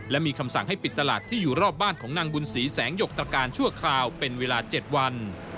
และมีคำสั่งให้ปิดตลาดที่อยู่รอบบ้านของนางบุญศรีแสงหยกตรการชั่วคราวเป็นเวลา๗วัน